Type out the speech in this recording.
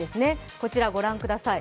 こちら、ご覧ください。